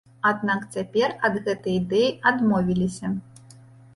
Аднак цяпер ад гэтай ідэі адмовіліся.